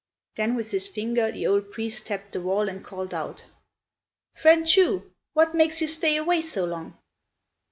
Then with his finger the old priest tapped the wall and called out, "Friend Chu! what makes you stay away so long?"